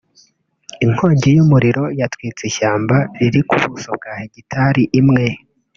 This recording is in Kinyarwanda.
inkongi y’umuriro yatwitse ishyamba riri ku buso bwa hegitari imwe